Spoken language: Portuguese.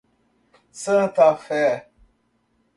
Santa Fé